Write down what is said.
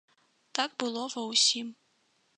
Так было ва ўсім.